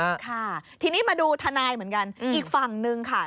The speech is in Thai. ค่ะทีนี้มาดูทนายเหมือนกันอีกฝั่งนึงค่ะ